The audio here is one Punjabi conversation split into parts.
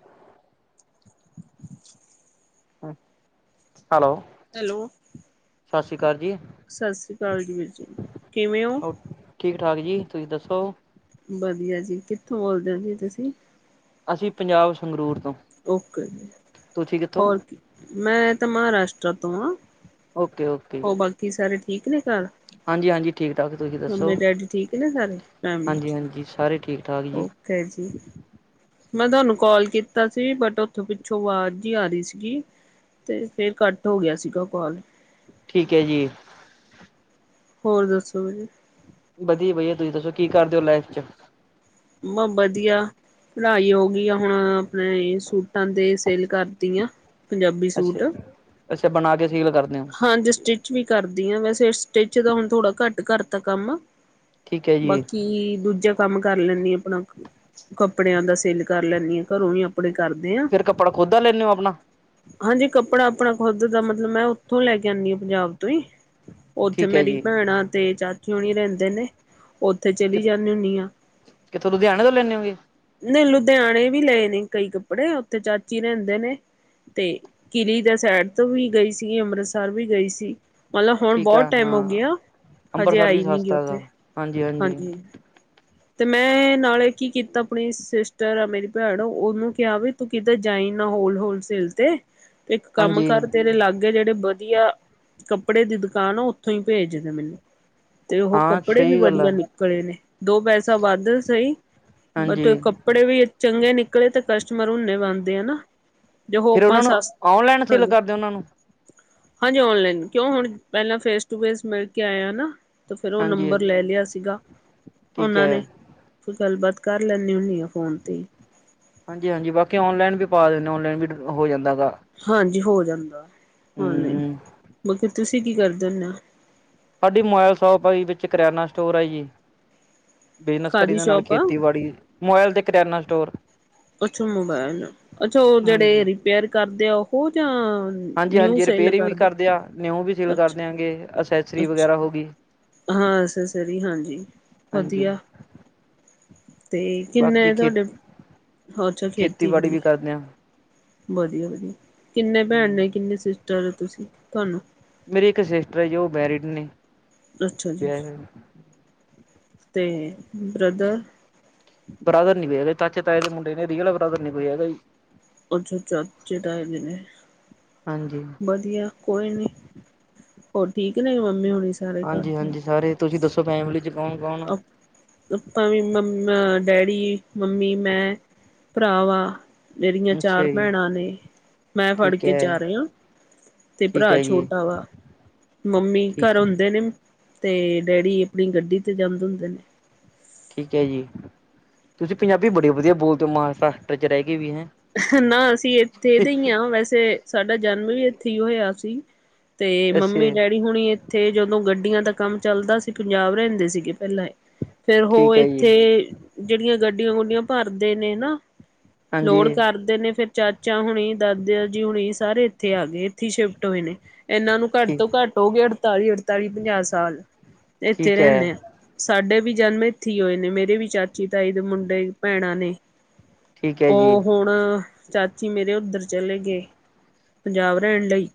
[inaudible] ਹੈਲੋ। ਹੈਲੋ। ਸਾਸ਼ੀ ਕਾਲ ਜੀ। ਸਾਸਰੀ ਕਾਲ ਵੀਰ ਜੀ, ਕਿਵੇਂ ਓ? ਠੀਕ- ਠਾਕ ਜੀ, ਤੁਸੀ ਦੱਸੋ? ਵਦੀਆ ਜੀ, ਕਿੱਥੋਂ ਬੋਲਦੇ ਓ ਜੀ ਤੁਸੀ? ਅਸੀ ਪੰਜਾਬ ਸੰਗਰੂਰ ਤੋਂ। ਓਕੇ ਜੀ ਤੁਸੀਂ ਕਿੱਥੋਂ ਹੋਰ, ਮੈਂ ਤਾਂ ਮਹਾਰਾਸ਼ਟਰਾ ਤੋਂ ਹਾਂ। Okay- okay. ਓ ਜੀ ਬਾਕੀ ਸਾਰੇ ਠੀਕ ਨੇ ਕਾੱਰ? ਹਾਂਜੀ ਹਾਂਜੀ ਠੀਕ ਠਾਕ ਤੁਸੀਂ ਦੱਸੋ ਮੰਮੇ ਡੈਡੀ ਠੀਕ ਨੇ ਸਾਰੇ, ਫੈਮਲੀ? ਹਾਂਜੀ ਹਾਂਜੀ ਸਾਰੇ ਠੀਕ ਠਾਕ ਜੀ ਓਕੇ ਜੀ। ਮੈਂ ਤੁਆਨੂੰ ਕੋਲ ਕੀਤਾ ਸੀ, ਬਟ ਓਥੋ ਪਿੱਛੋ ਆਵਾਜ਼ ਜੀ ਆ ਰੀ ਸੀਗੀ। ਤੇ ਫੇਰ ਕਟ ਹੋ ਗਿਆ ਸੀਗਾ ਕੋਲ। ਠੀਕ ਐ ਜੀ। ਹੋਰ, ਦੱਸੋ ਤੁਸੀਂ? ਵਦੀਆ- ਵਦੀਆ ਤੁਸੀ ਦੱਸੋ, ਕੀ ਕਾਰਦੇ ਓ ਲਾਈਫ ਚ? ਮੈ ਵਧੀਆ। ਪੜਾਈ ਹੋ ਗਈ ਆ ਹੁਣ ਆਪਣੇ ਸੂਟਾਂ ਤੇ ਸੇਲ ਕਰਦੀ ਆਂ। ਅੱਛਾ-ਅੱਛਾ, ਬਣਾ ਕੇ ਸੇਲ ਕਰਦੇ ੳ। ਹਾਂਜੀ, ਸਟਿਚ ਵੀ ਕਰਦੀ ਆਂ ਵੈਸੇ ਸਟਿਚ ਦਾ ਹੁਣ ਥੋੜਾ ਘੱਟ ਕਰਤਾ ਕੰਮ। ਠੀਕ ਹੈ ਜੀ ਬਾਕੀ ਦੂਜਾ ਕੰਮ ਕਰ ਲੈਂਨੀ ਆਂ ਅਪਣਾ, ਕੱਪੜਿਆਂ ਦਾ ਸੇਲ ਕਰ ਲੈਂਨੀ ਆਂ ਕਰੋਂ ਈ ਅਪ ਕੱਪੜੇ ਕਰਦੇ ਆਂ, ਫਿਰ ਕੱਪੜਾ ਖੁਦ ਦਾ ਲੈਂਦੇ ਹੋ ਆਪਣਾ ਹਾਂਜੀ ਕੱਪੜਾ ਆਪਣਾ ਖੁੱਦ ਦਾ ਮਤਲਬ ਮੈਂ ਉੱਥੋਂ ਲੈ ਕੇ ਆਨੀ ਆਂ ਪੰਜਾਬ ਤੋਂ ਈਂ, ਉੱਥੇ ਠੀਕ ਹੈ ਮੇਰੀ ਜੀ ਭੈਣਾਂ ਤੇ ਚਾਚ ਚੀ ਹੁਣੀ ਰੈਂਦੇ ਨੇਂ, ਉੱਥੇ ਚਲੀ ਜਾਂਨੀ ਹੁੰਨੀ ਆਂ। ਕਿੱਥੋਂ ਲੁਧਿਆਣੇ ਤੋਂ ਲੈਂਨੇ ੳਂਗੇ। ਨਈ ਲੁਧਿਆਣੇ ਵੀ ਲਏ ਨੇ ਕਈ ਕੱਪੜੇ, ਉੱਥੇ ਚਾਚੀ ਰਹਿੰਦੇ ਨੇਂ। ਤੇ ਕਿਲੀ ਦੇ ਸੈਡ ਤੋਂ ਵੀ ਗਈ ਸੀ ਅੰਮ੍ਰਿਤਸਰ ਵੀ ਗਈ ਸੀ। ਮਤਲਵ ਹੁਣ ਠੀਕ ਆ ਬਹੁਤ ਟੈਮ ਹੋ ਹਾਂ ਗਿਆ, ਹਜੇ ਅੰਬਰਸਰ ਵੀ ਆਈ ਨੀਂ ਗੀ ਸਸਤਾ ਹੈਗਾ ਉੱਥੇ ਹਾਂਜੀ। ਤੇ ਮੈਂ ਨਾਲੇ ਕੀ ਕੀਤਾ ਆਪਣੇ ਸਿਸਟਰ ਆ ਮੇਰੀ ਪੈਣ ਉਹਨੂੰ ਕਿਹਾ ਵੀ ਤੂੰ ਕਿਤੇ ਜਾਈਂ ਨਾ ਹੋਲ-ਹੋਲ ਸੇਲ ਤੇ ਇੱਕ ਕੰਮ ਹਾਂਜੀ ਕਰ ਤੇਰੇ ਲਾਗ ਗੇ ਜਿਹੜੇ ਬਧੀਆ ਕੱਪੜੇ ਦੀ ਦੁਕਾਨ ਆ ਉੱਥੋਂ ਹੀ ਪੇਜਦੇ ਮੈਨੂੰ। ਤੇ ਉਹ ਹਾਂ ਕੱਪੜੇ ਵੀ ਸਹੀ ਗੱਲ ਆ ਵਧੀਆ ਨਿਕਲੇ ਨੇ, ਦੋ ਪੈਸੇ ਸਭ ਵਾਧ ਸਹੀ ਬਟ ਹਾਂਜੀ ਕੱਪੜੇ ਵੀ ਚੰਗੇ ਨਿਕਲੇ ਤੇ ਕਸਟਮਰ ਹੁੰਨੇ ਬਣਦੇ ਆ ਨਾਂ। ਫੇਰ ਉਹਨਾਂ ਨੂੰ ਔਨਲਾਈਨ ਸੇਲ ਹਾਂਜੀ ਕਰਦੇ ੳ ਉਹਨਾਂ ਨੂੰ। ਹਾਂਜੀ ਓਨਲੈਨ ਕਿਉਂ ਹੁਣ ਪਹਿਲਾਂ ਫੇਸ ਟੂ ਫੇਸ ਮਿਲ ਕੇ ਆਇਆ ਨਾਂ। ਤੇ ਫੇਰ ਉਹ ਹਾਂਜੀ ਨੰਬਰ ਲੈ ਲਿਆ ਸੀਗਾ ਠੀਕ ਉਹਨਾਂ ਹੈ ਨੇ। ਫੇਰ ਗੱਲਬਾਤ ਕਰ ਲੈੈਂਨੀ ਹੁੰਨੀ ਆਂ ਫੋਨ ਤੇ ਈ। ਹਾਂਜੀ-ਹਾਂਜੀ, ਬਾਕੀ ਔਨਲੈਨ ਵੀ ਪਾ ਦਿੰਦੇ ਔਨਲੈਨ ਵੀ ਹੋ ਜਾਂਦਾ ਗਾ। ਹਾਂਜੀ ਹੋ ਜਾਂਦਾ ਔਨਲਾਈਨ, ਹਮ ਬਾਕੀ ਤੁਸੀ ਕੀ ਕਰਦੇ ਹੁੰਦੇ ੳ। ਸਾਡੀ ਮੋਬਾਈਲ ਸੌਪ ਆ ਯੀ ਵਿੱਚ ਕਰਿਆਨਾ ਸਟੋਰ ਆ ਜੀ। ਬਿਜਨਸ ਕਾਹਦੀ ਕਰੀਦਾ ਨਾਲ ਸ਼ੋਪ ਆ ਖੇਤੀਬਾੜੀ, ਮੋਵੈਲ ਤੇ ਕਰਿਆਨਾ ਸਟੋਰ। ਅੱਛਾ ਮੋਬੈਲ, ਅੱਛਾ ਉਹ ਜਿਹੜੇ ਹਾਂਜੀ ਰਿਪੇਅਰ ਕਰਦੇ ਆ ਉਹ ਜਾਂ ਨਿਊ ਹਾਂਜੀ-ਹਾਂਜੀ ਸੇਲ ਰਿਪੇਅਰਿੰਗ ਵੀ ਕਰਦੇ ਆ ਨਿਊ ਵੀ ਸੇਲ ਕਰ ਅੱਛਾ ਦਿਆਂਗੇ ਅਸੈਸਰੀ ਅੱਛਾ ਵਗੈਰਾ ਹੋ ਗੀ। ਹਾਂ, ਅਸੈਸਰੀ, ਹਾਂਜੀ ਹਾਂਜੀ ਵਧੀਆ। ਤੇ ਬਾਕੀ ਕਿੰਨੇ ਖੇ ਤੁਹਾਡੇ, ਅੱਛਾ ਖੇਤੀ ਵੀ ਐ। ਕਰਦੇ ਆਂ। ਬਧੀਆ ਵਧੀਆ ਕਿੰਨੇ ਭੈਣ ਨੇ ਹਮ ਕਿੰਨੇ ਸਿਸਟਰ ਤੁਸੀਂ, ਤੁਹਾਨੂੰ। ਮੇਰੀ ਇੱਕ ਸਿਸਟਰ ਆ ਜੀ ਉਹ ਮੈਰੀਡ ਨੇਂ। ਅੱਛਾ ਜੀ। ਤੇ ਬ੍ਰਦਰ। ਬ੍ਰਦਰ ਨੀਂ ਕੋਈ ਹੈਗਾ ਜੀ, ਤਾਚੇ ਤਾਏ ਦੇ ਮੁੰਡੇ ਨੇ ਰੀਅਲ ਬ੍ਰਦਰ ਨੀਂ ਕੋ ਹੈਗਾ ਜੀ। ਅੱਛਾ-ਅੱਛਾ, ਚਾਚੇ ਤਾਏ ਦੇ ਨੇਂ। ਹਾਂਜੀ। ਬਧੀਆ ਕੋਈ ਨੀਂ, ਹੋਰ ਠੀਕ ਨੇ ਮੰਮੀ ਹੋਣੀ ਸ ਹਾਂਜੀ-ਹਾਂਜੀ, ਸਾਰੇ ਤੁਸੀਂ ਦੱਸੋ ਫੈਮਲੀ ਚ ਕੌਣ-ਕੌਣ ੳ। ਅੱਪਾ ਵੀਂ ਮੰਮ ਡੈਡੀ, ਮੰਮੀ, ਮੈਂ, ਭਰਾ ਵਾਂ। ਮੇਰੀਆਂ ਚਾਰ ਅੱਛਾ ਜੀ ਪੈਣਾਂ ਨੇ ਮੈਂ ਫੜ ਠੀਕ ਕੇ ਹੈ ਚਾਰ ਯਾਂ। ਤੇ ਠੀਕ ਪਰਾ ਹੈ ਜੀ ਛੋਟਾ ਵਾ, ਮੰਮੀ ਠੀਕ ਕਰ ਹੁੰਦੇ ਨੇਂ। ਤੇ ਡੈਡੀ ਅਪਣੀ ਗੱਡੀ ਤੇ ਜਾਂਦੇ ਹੁੰਦੇ ਨੇਂ। ਠੀਕ ਐ ਜੀ, ਤੁਸੀਂ ਪੰਜਾਬੀ ਬੜੀ ਵਧੀਆ ਬੋਲਦੇ ੳ ਮਹਾਰਾਸਤਰਾਂ ਚ ਰਹਿ ਕੇ ਵੀ ਹੈਂ। ਨਾਂ ਅਸੀਂ ਇੱਥੇ ਦੇ ਈ ਆਂ ਵੈਸੇ ਸਾਡਾ ਜਨਮ ਵੀ ਇੱਥੇ ਹੀ ਹੋਇਆ ਸੀ। ਤੇ ਅੱਛਾ ਮੰਮੀ ਡੈਡੀ ਹੁਣੀ ਇੱਥੇ, ਜਦੋਂ ਗੱਡੀਆਂ ਦਾ ਕੰਮ ਚੱਲਦਾ ਸੀ, ਪੰਜਾਬ ਰਹਿੰਦੇ ਸੀਗੇ ਪਹਿਲਾਂ ਈ। ਫੇਰ ਉਹ ਠੀਕ ਹੈ ਜੀ ਇੱਥੇ, ਜਿਹੜੀਆਂ ਗੱਡੀਆਂ-ਗੁਡੀਆਂ ਭਰਦੇ ਨੇਂ ਨਾਂ, ਹਾਂਜੀ ਲੋੜ ਕਰਦੇ ਨੇ, ਫਿਰ ਚਾਚਾ ਹੋਣੀ, ਦਾਦਿਆ ਜੀ ਹੋਣੀ, ਸਾਰੇ ਇੱਥੇ ਆ ਗਏ, ਇੱਥੀ ਸ਼ਿਫਟ ਹੋਏ ਨੇਂ। ਇਹਨਾਂ ਨੂੰ ਘੱਟ ਠੀਕ ਤੋਂ ਘੱਟ ਹੋ ਗੇ ਅੜਤਾਲੀ, ਅੜਤਾਲੀ ਪੰਜਾਹ ਸਾਲ ਇੱਥੇ ਠੀਕ ਹੈ ਰਹਿਣੇ ਆ। ਸਾਡੇ ਵੀ ਜਨਮ ਇੱਥੇ ਹੀ ਹੋਏ ਨੇ, ਮੇਰੇ ਵੀ ਚਾਚੀ-ਤਾਈ ਦੇ ਮੁੰਡੇ ਭੈਣਾਂ ਨੇ। ਠੀਕ ਹੈ ਜੀ ਔਹ- ਹੁਣ ਚਾਚੀ ਮੇਰੇ ਉੱਧਰ ਚਲੇ ਗਏ, ਪੰਜਾਬ ਰਹਿਣ ਲਈ।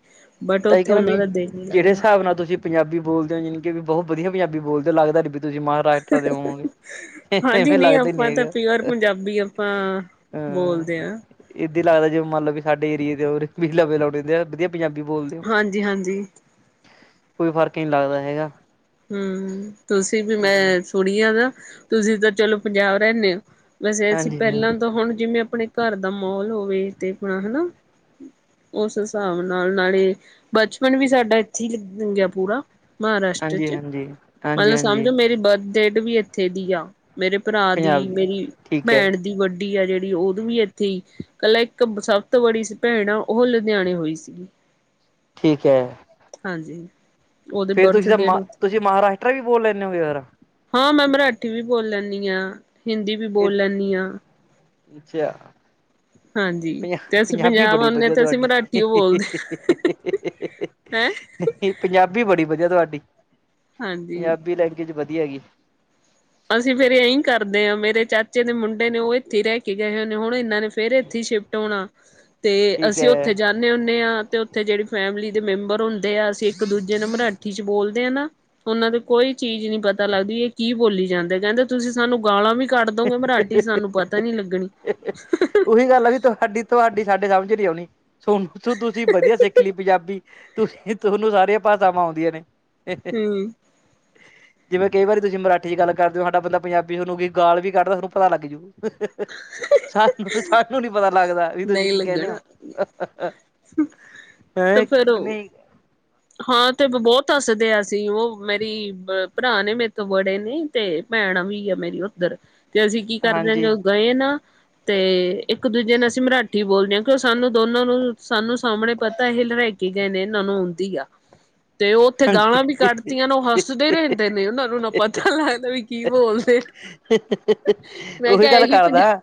ਬਟ ਤਾਂਹੀ ਉੱਥੇ ਕਹਿੰਨਾ ਉਹਨਾਂ ਵੀ, ਦਾ ਦਿਲ ਨਹੀਂ ਜਿਹੜੇ ਲੱਗਦਾ ਹਿਸਾਬ ਨਾਲ ਤੁਸੀਂ ਪੰਜਾਬੀ ਬੋਲਦੇ ਹੋ, ਜਾਣੀ ਕਿ ਵੀ ਬਹੁਤ ਵਧੀਆ ਪੰਜਾਬੀ ਬੋਲਦੇ ਹੋ ਲੱਗਦਾ- ਨੀ ਤੁਸੀਂ ਮਹਾਰਾਸ਼ਟਰ ਦੇਹੋ। ਹਾਂਜੀ ਲੱਗਦਾ ਹੀ ਨਹੀਂ ਆਪਾਂ ਤਾਂ ਹੈਗਾ, ਪਿਓਰ ਪੰਜਾਬੀ ਆਪਾਂ ਹਮ। ਬੋਲਦੇ ਹਾਂ ਏਦਾਂ ਲੱਗਦਾ ਜੇ ਮੰਨ ਲਬ ਵੀ ਸਾਡੇ ਏਰੀਏ ਦੇ ਹੋ, ਲੇ ਲਾਉਣੇ ਹੁੰਦੇ ਆ ਵਧੀਆ ਪੰਜਾਬੀ ਬੋਲਦੇ- ਹੋ ਹਾਂਜੀ-ਹਾਂਜੀ। ਕੋਈ ਫਰਕ ਈ ਨ ਲੱਗਦਾ ਹੈਗਾ। ਹੰ, ਤੁਸੀਂ ਵੀ ਹਾਂ ਮੈਂ ਸੁਣੀ ਆ ਨਾ, ਤੁਸੀਂ ਤਾਂ ਚਲੋ ਪੰਜਾਬ ਰਹਿਣੇ ਹੋ। ਵੈਸੇ, ਅਸੀਂ ਹਾਂਜੀ ਹਾਂ ਪਹਿਲਾਂ ਤਾਂ ਹੁਣ ਜਿਵੇਂ ਆਪਣੇ ਘਰ ਦਾ ਮਾਹੌਲ ਹੋਵੇ ਤੇ ਆਪਣਾ ਹਨਾ। ਉਸ ਹਿਸਾਬ ਨਾਲ, ਨਾਲੇ ਬਚਪਨ ਵੀ ਸਾਡਾ ਇੱਥੇ ਹੀ - ਲੰਘਿਆਂ ਪੂਰਾ ਹਾਂਜੀ ਮਹਾਰਾਸ਼ਟਰ'ਚ, ਹਾਂਜੀ ਹਾਂਜੀ ਮਤਲਬ ਹਾਂਜੀ ਸਮਝੋ ਮੇਰੀ ਬਰ੍ਥ ਵੀ ਇੱਥੇ ਦੀ ਆ। ਮੇਰੇ ਭਰਾ ਪੰਜਾਬ ਦੀ, ਮੇਰੀ ਠੀਕ ਹੈ ਭੈਣ ਦੀ, ਵੱਡੀ- ਆ ਜਿਹੜੀ, ਉਦੋਂ ਵੀ ਇੱਥੇ ਹੀ, ਇਕੱਲਾ ਇੱਕ ਸਭ ਤੋਂ ਬੜੀ ਭੈਣ ਆ, ਉਹ ਲੁਧਿਆਣੇ ਹੋਈ ਸੀਗੀ। ਠੀਕ ਹੈ। ਹਾਂਜੀ। ਉਹਦੇ ਫੇਰ ਬਰਥ ਤੁਸੀਂ ਤਾਂ ਡੇਟ ਮਾ, ਉੱਥੇ। ਤੁਸੀਂ ਮਹਾਰਾਸ਼ਟਰਾਂ ਵੀ ਬੋਲ ਲੈਂਦੇ ਹੋਗੇ ਫੇਰ? ਹਾਂ, ਮੈਂ ਮਰਾਠੀ ਵੀ ਬੋਲ ਲੈਂਦੀ ਹਾਂ। ਹਿੰਦੀ ਵੀ ਇਹ ਬੋਲ ਲੈਣੀ ਆਂ। ਅੱਛਾ- ਹਾਂਜੀ ਪੰਜਾ, ਤੇ ਅਸੀਂ ਪੰਜਾਬੀ ਪੰਜਾਬ ਬੜੀ ਆਉਂਦੇ ਹਾਂ ਵਧੀਆ ਤੇ ਅਸੀਂ ਤੁਹਾਡੀ। ਮਰਾਠੀ ਓ ਬੋਲਦੇ ਹਾਂ। ਹੈਂ ਨਹੀਂ, ਪੰਜਾਬੀ ਬੜੀ ਵਧੀਆ ਤੁਹਾਡੀ, ਹਾਂਜੀ ਪੰਜਾਬੀ ਲੈਂਗੁਏਜ ਵਧੀਆ ਹੈਗੀ। ਅਸੀਂ ਫੇਰ ਇਹੀ ਕਰਦੇ ਹਾਂ, ਮੇਰੇ ਚਾਚੇ ਦੇ ਮੁੰਡੇ ਨੇ, ਉਹ ਇੱਥੇ ਹੀ ਰਹਿ ਕੇ ਗਏ ਹੋਏ ਨੇ। ਹੁਣ ਇਹਨਾਂ ਨੇ- ਫੇਰ ਇੱਥੇ ਸ਼ਿਫਟ ਹੋਣਾ ਤੇ, ਠੀਕ ਅਸੀਂ ਉੱਥੇ ਹੈ ਜਾਣੇ ਹੁਣੇਆ ਤੇ, ਉੱਥੇ ਜਿਹੜੀ ਫੈਮਿਲੀ ਦੇ ਮੈਂਬਰ ਹੁੰਦੇ ਆ, ਅਸੀਂ ਇੱਕ ਦੂਜੇ ਨੂੰ ਮਰਾਠੀ'ਚ ਬੋਲਦੇ ਆਨਾ। ਉਹਨਾਂ ਦੀ ਕੋਈ ਚੀਜ਼ ਨਹੀਂ ਪਤਾ ਲੱਗਦੀ, ਇਹ ਕੀ ਬੋਲੀ- ਜਾਂਦੇ। ਕਹਿੰਦੇ ਤੁਸੀਂ ਸਾਨੂੰ ਗਾਲਾਂ ਵੀ ਕੱਢ ਦੋਗੇ ਮਰਾਠੀ'ਚ, ਸਾਨੂੰ ਪਤਾ ਨੀ ਲੱਗਣੀ। ਇਕ ਗੱਲ ਆ ਵੀ ਤੁਹਾਡੀ, ਤੁਹਾਡੀ ਸਾਡੇ ਸਮਝ ਨਹੀ ਆਉਣੀ, ਸੁਣ ਤੁਸੀਂ ਵਧੀਆ ਸਿੱਖ ਲਈ ਪੰਜਾਬੀ। ਤੁਸੀ, ਤੁਹਨੂੰ ਸਾਰੀਆਂ ਭਾਸ਼ਾਵਾਂ ਆਉਂਦੀਆਂ ਨੇ। ਹਮ ਜਿਵੇਂ ਕਈ ਵਾਰੀ ਤੁਸੀਂ ਮਰਾਠੀ'ਚ ਗੱਲ ਕਰਦੇ ਹੋ, ਸਾਡਾ ਬੰਦਾ ਪੰਜਾਬੀ - ਗਾਲ ਵੀ ਕੱਢਦਾ, ਤੁਹਾਨੂੰ ਪਤਾ ਲੱਗ ਜਾਊ। ਸਾਨੂੰ-ਸਾਨੂੰ ਨੀ ਪਤਾ ਲੱਗਦਾ, ਵੀ ਤੁੂਸੀ ਕੀ ਕਹਿਣੇ ਹੋ। ਹ- ਹੈ ਕਿ ਨਹੀਂ? ਹਾਂ, ਤੇ ਬਹੁਤ ਹੱਸਦੇ ਅਸੀ, ਉਹ ਮੇਰੀ ਭਰਾ ਨੇ ਮੇਰੇ ਤੋਂ ਬੜੇ ਨੇ- ਤੇ ਭੈਣਾਂ ਵੀ ਆ ਮੇਰੀ ਉੱਧਰ, ਤੇ ਅਸੀਂ ਕੀ ਕਰਦੇ ਹਾਂ ਹਾਂਜੀ ਜੋਂ ਗਏ ਨਾ- ਤੇ ਇੱਕ ਦੂਜੇ ਨਾਲ, ਅਸੀਂ ਮਰਾਠੀ ਬੋਲਦੇ ਹਾਂ। ਕਿਉਂ ਸਾਨੂੰ ਦੋਨਾਂ ਨੂੰ ਸਾਨੂੰ ਸਾਹਮਣੇ ਪਤਾ ਹੀ - ਕੀ ਕਹਿਣੇ, ਇਹਨਾਂ ਨੂੰ ਆਉਦੀ ਆ। ਤੇ ਉਹ ਉੱਥੇ ਗਾਲਾਂ ਵੀ ਹਾਂਜੀ। ਕੱਢਤੀਆਂ ਨੇ, ਉਹ ਹੱਸਦੇ ਰਹਿੰਦੇ ਨੇ। ਉਹਨਾਂ ਨੂੰ ਨਾ ਪਤਾ ਲੱਗਦਾ, ਵੀ ਕੀ ਬੋਲਦੇ। ਮੈਂ ਉਹੀ ਕਿਹਾ ਗੱਲ ਇਹੀ ਪੰਜਾ ਕਰਦਾ,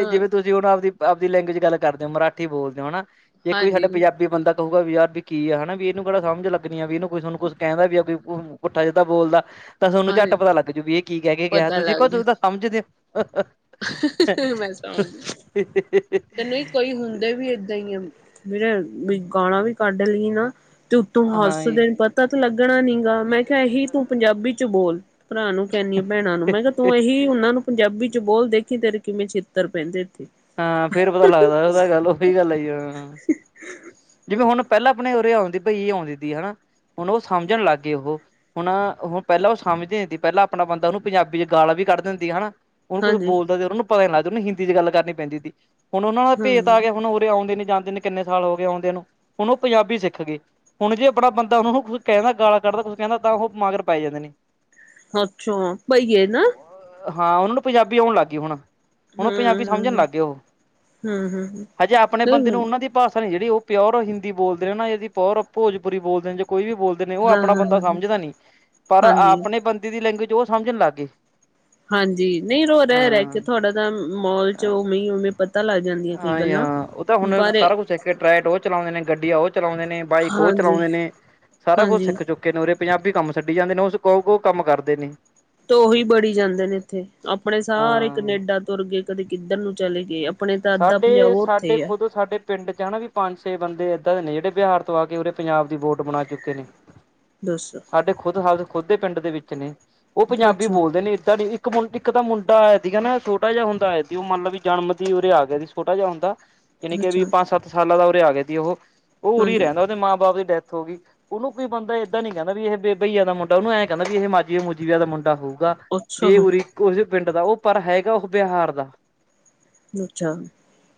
ਹਾਂ ਤੁਸੀਂ ਹੁਣ ਆਪਦੀ-ਆਪਦੀ ਲੈਂਗੁਏਜ ਗੱਲ ਕਰਦੇ ਹੋ ਮਰਾਠੀ ਬੋਲਦੇ ਹੋ ਹਨਾ, ਜੇ ਕੋਈ ਸਾਡਾ ਹਾਂਜੀ ਪੰਜਾਬੀ ਬੰਦਾ- ਕਹਊਗਾ ਵੀ ਯਾਰ ਵੀ ਕੀ ਹੈ ਹਨਾ ਵੀ ਇਹਨੂੰ ਕਿਹੜਾ ਸਮਝ ਲੱਗਣੀ ਆ ਵੀ। ਇਹਨੂੰ ਕੁਛ ਨੂੰ ਕੁਛ ਕਹਿੰਦਾ ਵੀ ਕੋਈ ਪੁੱਠਾ ਸਿਦਾ ਬੋਲਦਾ ਤਾਂ ਤੁਹਾਨੂੰ ਝੱਟ ਹਾਂਜੀ ਪਤਾ ਲੱਗਜੁ, ਇਹ ਕੀ ਕਹਿ ਕੇ ਗਿਆ। ਪਤਾ ਤੁਸੀਂ ਲੱਗ ਕੁੱਝ ਜਾ ਤਾਂ ਸਮਝਦੇ ਹੋ। ਮੈਂ ਸਮਝ ਗਈ ਤੈ ਕੋਈ ਹੁੰਦਾ ਵੀ ਏਦਾਂ ਹੀਆ। ਮੇਰੇ ਬਈ ਗਾਲਾਂ ਵੀ ਕੱਢ ਲਈ ਨਾ ਤੇ ਉੱਥੋਂ ਹਾਂਜੀ ਹੱਸਦੇ ਨੇ ਪਤਾ ਤਾ ਲੱਗਣਾ ਨੀਗਾ। ਮੈਂ ਕਿਹਾ ਆਹੀ ਤੂੰ ਪੰਜਾਬੀ ਚ ਬੋਲ। ਭਰਾ ਨੂੰ ਕਹਿੰਦੀ ਆ, ਭੈਣਾਂ ਨੂੰ। ਮੈਂ ਕਿਹਾ ਤੂੰ ਇਹੀ ਉਹਨਾਂ ਨੂੰ ਪੰਜਾਬੀ ਚ ਬੋਲ ਦੇ। ਇੱਕੀ ਤਰ ਕਿਵੇਂ ਚਿੱਤਰ ਪੇਦੇ ੳਥੇ ਹਾਂ ਫੇਰ ਪਤਾ ਲੱਗਦਾ ਉਹਦਾ ਗੱਲ ਉਹੀ ਗੱਲ ਆਈ ਜਿਵੇਂ ਹੁਣ ਪਹਿਲਾਂ ਆਪਣੇ ਉਰੇ ਆਉਂਦੀ ਪਈ ਆਉਂਦੀ ਹੈ, ਹੁਣ ਬਾਈ ਉਹ ਸਮਝਣ ਲੱਗ ਗਏ ਉਹ। ਹੁਣ- ਹੁਣ ਪਹਿਲਾਂ ਉਹ ਸਮਝਦੀ ਹੁੰਦੀ, ਪਹਿਲਾਂ ਆਪਣਾ ਬੰਦਾ ਉਹਨੂੰ ਪੰਜਾਬੀ ਚ ਗਾਲਾ ਵੀ ਕੱਢ ਦ ਹੁੰਦੀ ਆ ਹੈ। ਉਹਨੂੰ ਕੁਝ ਹਾਂਜੀ ਬੋਲਦਾ, ਤੇ ਉਹ ਨੂੰ ਪਤਾ ਨ ਲੱਗਦਾ ਉਹਨੂੰ ਹਿੰਦੀ ਚ ਗੱਲ ਕਰਨੀ ਪੈਂਦੀ ਸੀ। ਹੁਣ ਉਹਨਾਂ ਦਾ ਹਾਂ ਭੇਤ ਆ ਗਿਆ, ਹੁਣ ਉਰੇ ਆਉਂਦੇ ਨੀ ਜਾਂਦੇ ਨੇ ਕਿੰਨੇ ਸਾਲ ਹੋ ਗਏ ਆਉਂਦੇ ਨੂੰ ਹੁਣ ਉਹ ਪੰਜਾਬੀ ਸਿੱਖ ਗਏ ਹੁਣ ਜੇ ਆਪਣਾ ਬੰਦਾ ਉਹ ਨੂੰ ਕੁ ਕਹਿੰਦਾ ਗਾਲਾ ਕੱਢਦੇ ਕੁਛ ਕਹਿੰਦਾ ਤਾਂ ਉਹ ਮਾਗਰ ਪੈ ਜਾਂਦੇ ਨੇ ਅੱਛਾ ਬਈਏ ਨਾ ਹਾਂ ਉਹਨਾਂ ਨੂੰ ਪੰਜਾਬੀ ਆਉਣ ਲੱਗ ਗਈ ਹੁਣ ਹੁਣ ਉਹ ਪੰਜਾਬੀ ਹਮ- ਸਮਝਣ ਹਮ ਲੱਗ ਹਮ ਹਜੇ ਆਪਣੇ ਬੰਦੇ ਨੂੰ ਹਮ ਹਾਂ ਉਹਨਾਂ ਦੀ ਭਾਸ਼ਾ ਜਿਹੜੀ ਉਹ ਪਿਓਰ ਹਿੰਦੀ ਬੋਲਦੇ ਨਾਦੀ ਪਿਓਰ ਭੋਜਪੁਰੀ ਬੋਲਦੇ ਨੇ ਜਾਂ ਕੋਈ ਵੀ ਬੋਲਦੇ ਨੇ ਉਹ ਹਾਂ ਆਪਣਾ ਬੰਦਾ ਹਾਂ ਸਮਝਦਾ ਨੀ, ਪਰ ਹਾਂਜੀ ਆਪਣੇ ਬੰਦੇ ਦੀ ਲੈਂਗੁਏਜ ਉਹ ਸਮਝਣ ਲੱਗ ਗਏ ਹਾਂਜੀ, ਨਹੀਂ ਰ ਉਹ ਰਹਿ- ਰਹਿ ਕੇ ਹਾਂ ਤੁਹਾਡਾ ਤਾਂ ਮੋਲ ਚ ਉਹ ਉਵੇਂ ਪਤਾ ਲੱਗ ਜਾਂਦੀਆਂ ਕਈ ਗੱਲਾਂ ਪਰਾਰੇ ਤੇ ਟਰੈਟਰ ਉਹ ਚਲਾਉਂਦੇ ਨੇ, ਗੱਡੀਆਂ ਉਹ ਚਲਾਉਦੇ ਨੇ, ਬਾਈਕ ਉਹ ਹਾਂਜੀ ਚਲਾਉਂਦੇ ਨੇ, ਸਾਰਾ ਕੁਛ ਹਾਂਜੀ ਸਿੱਖ ਚੁੱਕੇ ਉਰੇ ਪੰਜਾਬੀ ਕੰਮ ਛੱਡੀ ਜਾਂਦੇ ਨੇ, ਉਹ ਉਹ ਕੰਮ ਕਰਦੇ ਨੇ। ਤੇ ਉਹੀ ਬੜੀ ਜਾਂਦੇ ਨੇ ਇੱਥੇ, ਆਪਣੇ ਸਾਰੇ ਹਾਂ ਕਨੇਡਾ ਤੁਰਗੇ। ਕਦੇ ਕਿੱਧਰ ਨੂੰ ਚਲੇ ਗਏ, ਆਪਣੇ ਤਾਂ ਅੱਧਾ ਪੰਜਾਬ ਸਾਡੇ ਸਾਡੇ ਉੱਥੇ ਆ। ਖੁਦ ਸਾਡੇ ਪਿੰਡ ਚ ਹੈਨਾ ਵੀ ਪੰਜ ਛੇ ਬੰਦੇ ਏਦਾਂ ਦੇ ਨੇ, ਜਿਹੜੇ ਬਿਹਾਰ ਤੋਂ ਆ ਕੇ ਉਰੇ ਪੰਜਾਬ ਦੀ ਬੋਟ ਬਣਾ ਚੁੱਕੇ ਨੇ। ਦੱਸੌ? ਸਾਡੇ ਖੁਦ ਹ ਖੁਦ ਦੇ ਪਿੰਡ ਦੇ ਵਿੱਚ ਨੇ। ਉਹ ਪੰਜਾਬੀ ਅੱਛਾ ਬੋਲਦੇ ਨੇ ਏਦਾਂ ਨੀ ਜੀ ਇੱਕ ਮੁੰ ਇੱਕ ਮੁੰਡਾ ਆਇਆ ਸੀਗਾ ਨਾ ਛੋਟਾ ਜਿਹਾ ਹੁੰਦਾ ਸੀ ਉਹ ਮੰਨ ਲਾ ਵੀ ਇਕ ਜਨਮ ਦੀ ਉਰੇ ਆ ਗਿਆ ਸੀ ਛੋਟਾ ਜਿਹਾ ਹੁੰਦਾ, ਯਾਨੀ ਕਿ ਵੀ ਅੱਛਾ ਪੰਜ ਸੱਤ ਸਾਲਾਂ ਦਾ ਉਰੇ ਆ ਗਿਆ ਸੀ ਉਹ। ਉਹ ਉਰੇ ਹੀ ਹਾਂਜੀ ਰਹਿੰਦਾ, ਉਹਦੇ ਮਾਂ ਬਾਪ ਦੀ ਡੈਥ ਹੋ ਗਈ। ਉਹਨ ਕੋਈ ਬੰਦਾ ਏਦਾਂ ਨਹੀਂ ਕਹਿੰਦਾ ਵੀ ਇਹ ਬੇ ਬਈਏ ਦਾ ਮੁੰਡਾ ਉਹਨੂੰਂ ਕਹਿੰਦਾ ਵੀ ਇਹ ਮਾਜੀਏ ਮੂਜੀਆ ਦਾ ਮੁੰਡਾ ਹੋਊਗਾ। ਅੱਛਾ ਵੀ ਹਾਂ ਉਰੀ ਇਕੋ ਓਸ ਪਿੰਡ ਦਾ, ਉਹ ਪਰ ਹੈਗਾ ਉਹ ਬਿਹਾਰ ਦਾ। ਅੱਛਾ।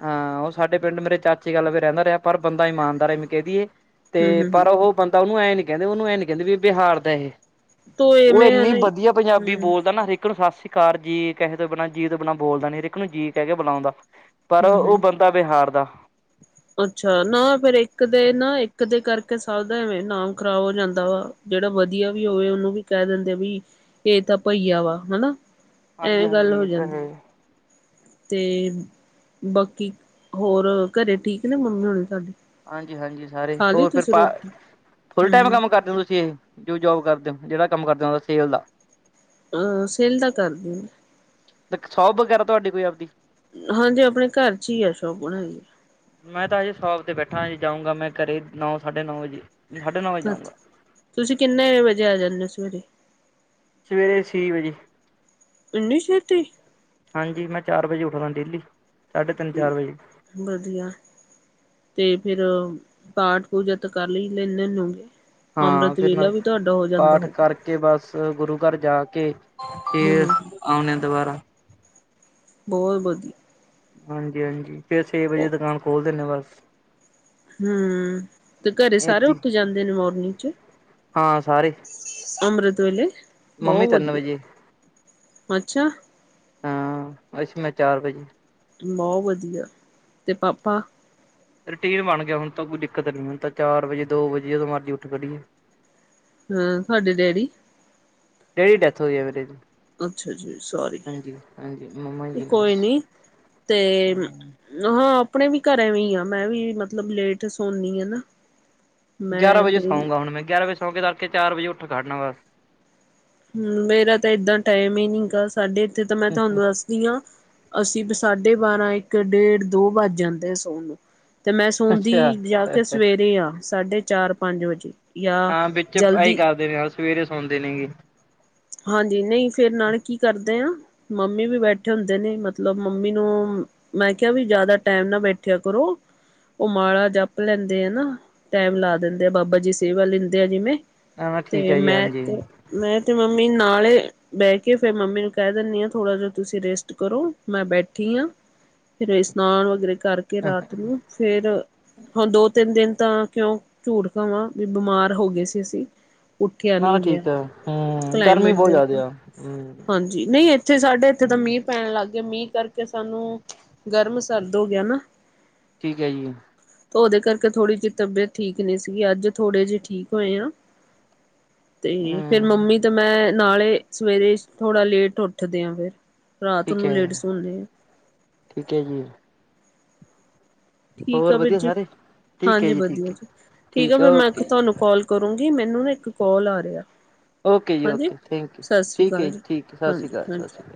ਹਾਂ ਉਹ ਸਾਡੇ ਪਿੰਡ ਮੇਰੇ ਚਾਚੇ ਵੱਲ ਵੀ ਰਹਿੰਦਾ ਰਿਹਾ ਪਰ ਬੰਦਾ ਇਮਾਨਦਾਰੀ ਮ ਕਹਿ ਦਈਏ। ਤੇ ਹਮ ਹਮ ਪਰ ਉਹ ਬੰਦਾ ਉਹਨੂੰ ਐਂ ਨੀ ਕਹਿੰਦੇ, ਉਹਨੂੰ ਇਹਂ ਨੀ ਕਹਿੰਦੇ ਵੀ ਬਿਹਾਰ ਦਾ ਏ। ਤੋ ਉਹ ਇਵੇਂ ਹੈ ਇੰਨੀ ਨਾ ਵਧੀਆ ਪੰਜਾਬੀ ਹਮ ਬੋਲਦਾ ਨਾ ਹਰੇਕ ਨੂੰ ਸਤਿ ਸ਼੍ਰੀ ਅਕਾਲ ਜੀ। ਕਹੇ ਤੋਂ ਬਿਨਾ, ਜੀ ਤੋਂ ਬਿਨਾਂ ਬੋਲਦਾ ਨੀ ਹਰੇਕ ਇੱਕ ਨੂੰ ਜੀ ਕਹਿ ਕੇ ਬੁਲਾਉਂਦਾ। ਪਰ ਹਮ ਉਹ ਹਮ ਬੰਦਾ ਤਾਂ ਬਿਹਾਰ ਦਾ ਅੱਛਾ ਨਾ ਫੇਰ ਇੱਕ ਦੇ ਨਾ, ਇੱਕ ਦੇ ਕਰਕੇ, ਸਭ ਦਾ ਐਵੇਂ ਨਾਮ ਖ਼ਰਾਬ ਹੋ ਜਾਂਦਾ ਵਾ। ਜਿਹੜਾ ਵਧੀਆ ਵੀ ਹੋਵੇ ਉਹਨੂੰ ਵੀ ਕਹਿ ਦਿੰਦੇ ਆ ਵੀ, ਇਹ ਤਾਂ ਭਈਆ ਵਾ ਹਨਾ। ਹਾਂਜੀ ਐ ਗੱਲ ਹਾਂਜੀ ਹੋ ਇਹ ਤਾਂ ਹੈ ਜਾਂਦੀ ਆ। ਤੇ ਬਾਕੀ ਹੋਰ ਘਰੇ ਠੀਕ ਨੇ, ਮੰਮੀ ਹੋਣੀ ਤੁਹਾਡੇ। ਹਾਂਜੀ-ਹਾਂਜੀ। ਸਾਰੇ ਖਾ ਲਈ ਹੋਰ ਫਿਰ ਤੁਸੀਂ ਪਾ ਰੋਟੀ ਫੁੱਲ ਟਾਈਮ ਹਮ ਕੰਮ ਕਰਦੇ ਹੋ ਤੁਸੀਂ ਏਹ! ਜੋ ਜੋਬ ਕਰਦੇ ਓ, ਜਿਹੜਾ ਕੰਮ ਕਰਦੇ ਓ ਸੇਲ ਦਾ। ਅਹ ਸੇਲ ਦਾ ਕਰਦੀ ਆ। ਮੈਂ ਕੇਹਾ ਸ਼ੌਪ ਵਗੈਰਾ ਤੁਹਾਡੀ ਕੋਈ ਆਵਦੀ? ਹਾਂਜੀ ਆਪਣੇ ਘਰ ਚ ਈ ਆ ਸ਼ੋਪ ਬਣਾਈ ਮੈਂ ਤਾਂ ਅਜੇ ਸ਼ੋਪ ਤੇ ਬੈਠਾ ਅਜੇ ਜਾਊਂਗਾ ਮੈਂ ਘਰੇ ਨੌ ਸਾਢੇ ਨੌ ਵਜੇ, ਸਾਢੇ ਨੌ ਵਜੇ ਹੈ ਜਾਊਂਗਾ। ਤੁਸੀਂ ਕਿੰਨੇ ਵਜੇ ਆ ਜਾਂਨੇ ਓ ਸਵੇਰੇ? ਸਵੇਰੇ ਛੇ ਵਜੇ। ਏਨੀ ਛੇਤੀ। ਹਾਂਜੀ ਮੈਂ ਚਾਰ ਵਜੇ ਉੱਠਦਾ ਡੇਲੀ। ਸਾਢੇ ਤਿੰਨ- ਚਾਰ ਵਜੇ। ਵਧੀਆ। ਤੇ ਫੇਰ ਪਾਠ ਪੂਜਾ ਤਾਂ ਕਰ ਲਈ ਲੈਦੇ ਏਨੇ ਨੂੰ। ਹਾਂ ਅੰਮ੍ਰਿਤ ਫਿਰ ਮੈਂ ਵੇਲਾ ਵੀ ਤੁਹਾਡਾ ਪਾਠ ਹੋਊਗਾ ਕਰਕੇ ਬਸ ਗੁਰੂ ਘਰ ਜਾ ਕੇ ਫੇਰ ਹਮ ਆਉਂਣੇ ਦੁਬਾਰਾ‌। ਬਹੁਤ ਵਧੀਆ। ਹਾਂਜੀ-ਹਾਂਜੀ। ਫੇਰ ਛੇ ਵਜੇ ਦੁਕਾਨ ਖੋਲ ਦਿੰਨੇ ਆ ਬਸ। ਹਮ ਤੇ ਘਰੇ ਸਾਰੇ ਏਦੀ ਉੱਠ ਜਾਂਦੇ ਨੇ ਮੋਰਨਿੰਗ ਚ? ਹਾਂ ਸਾਰੇ ਅੰਮ੍ਰਤ ਵਲੇ ਮੰਮੀ ਤਿੰਨ ਵਜੇ। ਅੱਛਾ ਹਮ ਬਸ ਮੈਂ ਚਾਰ ਵਜੇ। ਬਹੁਤ ਵਧੀਆ ਤੇ ਪਾਪਾ? ਰੂਟੀਨ ਬਣ ਗਿਆ ਹੁਣ ਤਾਂ ਕੋਈ ਦਿੱਕਤ ਨੀ ਹੁਣ ਤਾਂ ਚਾਰ ਵਜੇ ਦੋ ਵਜੇ ਜਦੋਂ ਮਰਜ਼ੀ ਉੱਠ ਖੜੀਏ। ਹਾਂ ਤੁਹਾਡੇ ਡੈਡੀ? ਡੈਡੀ ਦੀ ਡੈਥ ਹੋਈ ਹੈ ਮੇਰੇ ਦੀ। ਅੱਛਾ ਜੀ। ਸੋਰੀ, ਹਾਂਜੀ ਹਾਂਜੀ ਮੰਮਾ ਜੀ ਦੀ ਕੋਈ ਬਸ ਨੀ ਤੇ ਹਾਂ। ਆਪਣੇ ਵੀ ਘਰ ਵੀ ਐਵੀਂ ਆ ਮੈਂ ਵੀ ਮਤਲਬ ਲੇਟ ਸੌਨੀ ਆ ਨਾ ਗਿਆਰਾਂ ਮੈਂ ਵਜੇ ਫਿਰ ਸੌਉਂਗਾ ਹੁਣ ਮੈਂ। ਗਿਆਰਾ ਵਜੇ ਸੌ ਕੇ ਤੜਕੇ ਚਾਰ ਵਜੇ ਉਠ ਖੜਨਾ ਬਸ। ਹਮ ਮੇਰਾ ਤਾਂ ਇਏਦਾਂ ਟਾਈਮ ਹੀ ਨੀ ਗਾ। ਸਾਡੇ ਇੱਥੇ ਤਾਂ ਮੈਂ ਤੁਹਾਨੂੰ ਦੱਸ ਦੀ ਆ, ਅਸੀਂ ਤਾਂ ਸਾਢੇ ਬਾਰਾਂ ਇੱਕ ਡੇਢ ਦੋ ਵੱਜ ਜਾਂਦੇ ਆ ਸੋਣ ਨੂੰ। ਤੇ ਮੈਂ ਸੌਦੀ ਅੱਛਾ ਜਾ ਕੇ ਸਵੇਰੇ ਆ ਸਾਢੇ ਚਾਰ ਪੰਜ ਵਜੇ। ਜਾਂ ਹਾਂ ਵਿੱਚ ਆਹੀ ਜਲਦੀ ਕਰਦੇ ਨੇ ਸਵੇਰੇ ਸੌਦੇ ਨੇਗੇ। ਹਾਂਜੀ ਨਹੀਂ ਫੇਿਰ ਨਾਲ ਕੀ ਕਰਦੇ ਆ ਮੰਮੀ ਵੀ ਬੈਠੇ ਹੁੰਦੇ ਨੇ ਮਤਲਬ ਮੰਮੀ ਨੂੰ ਮੈਂ ਕਿਹਾ ਵੀ ਜ਼ਿਆਦਾ ਟਾਈਮ ਨਾ ਬੈਠਿਆ ਕਰੋ। ਉਹ ਮਾਲਾ ਜਪ ਲੈਂਦੇ ਆ ਨਾ, ਟੈਮ ਲਾ ਦਿੰਦੇ ਆ। ਬਾਬਾ ਜੀ ਸੇਵਾ ਲੈਂਦੇ ਆ ਜਿਵੇਂ ਮੈਂ ਠੀਕ ਤੇ ਹੈ ਜੀ ਮੈਂ ਹਾਂਜੀ ਤੇ ਮੈਂ ਤੇ ਮੰਮੀ ਨਾਲੇ ਬਹਿ ਕੇ ਫੇਿਰ ਮੰਮੀ ਨੂੰ ਕਹਿ ਦਿੰਨੀ ਆ, ਥੋੜ੍ਹਾ ਜਿਹਾ ਤੁਸੀਂ ਰੇਸਟ ਕਰੋ, ਮੈਂ ਬੈਠੀ ਆ। ਫਿਰ ਇਸ਼ਨਾਨ ਵਗੈਰੇ ਕਰਕੇ ਰਾਤ ਨੂੰ ਫੇਰ ਹੁਣ ਦੋ-ਤਿੰਨ ਦਿਨ ਤਾਂ ਕਿਉਂ ਝੂਠ ਕਵਾਂ ਵੀ ਬਿਮਾਰ ਹੋ ਗਏ ਸੀ ਅਸੀ। ਉੱਠਿਆ ਨੀ ਨਾ ਗਿਆ। ਠੀਕ ਹੈ ਹਮ ਗਰਮੀ ਕਲਾਈਮੇਟ ਬਹੁਤ ਦੇ ਜ਼ਿਆਦਾ ਆ ਹਮ ਹਾਂਜੀ ਨਹੀਂ ਇੱਥੇ ਸਾਡੇ ਇੱਥੇ ਤਾਂ ਮੀਂਹ ਪੈਣ ਲੱਗ ਗਿਆ। ਮੀਂਹ ਕਰਕੇ ਸਾਨੂੰ ਗਰਮ ਸਰਦ ਹੋ ਗਿਆ ਨਾ। ਠੀਕ ਐ ਜੀ। ਤੇ ਉਹਦੇ ਕਰਕੇ ਥੋੜ੍ਹੀ ਜਿਹੀ ਤਬੀਅਤ ਠੀਕ ਨੀ ਸੀਗੀ। ਅੱਜ ਥੋੜੇ ਜਿਹੇ ਠੀਕ ਹੋਏ ਆ। ਤੇ ਫੇਰ ਹਮ ਮੰਮੀ ਤਾਂ ਮੈਂ ਨਾਲੇ ਸਵੇਰੇ ਥੋੜਾ ਲੇਟ ਉੱਠਦੇ ਆਂ ਫੇਰ। ਠੀਕ ਐ। ਠੀਕ ਐ ਜੀ। ਠੀਕ ਹੋਰ ਆ ਵੀਰ ਵਧੀਆ ਜੀ, ਸਾਰੇ ਠੀਕ ਹੈ ਹਾਂਜੀ ਵਧੀਆ ਠੀਕ ਹੈ ਜੀ, ਠੀਕ ਆ ਹੈ ਫ ਮੈਂ ਓਕੇ ਜੀ ਤੁਹਾਨੂੰ ਕੋਾਲ ਕਰੂੰਗੀ, ਮੈਨੂੰ ਨਾ ਇੱਕ ਕਾਲ ਆ ਰਿਹਾ। ਓਕੇ ਜੀ ਹਾਂਜੀ, ਓਕੇ ਥੈਂਕ ਯੂ ਸਤਿ ਸ੍ਰੀ ਠੀਕ ਹੈ ਅਕਾਲ ਜੀ, ਠੀਕ ਹੈ ਸਤਿ ਸ਼੍ਰੀ ਹਾਂਜੀ ਅਕਾਲ ਸਤਿ -ਹਾਂਜੀ ਸ਼੍ਰੀ ਅਕਾਲ